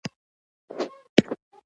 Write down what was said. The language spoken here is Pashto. که ژوند او هوساینه اهمیت نه لري.